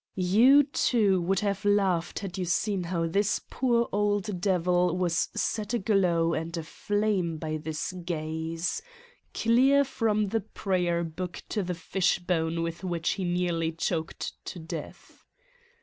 You, too, would have laughed had you seen how this poor old devil was set aglow and aflame by this gaze clear from the prayer book to the fishbone with which he nearly choked to death.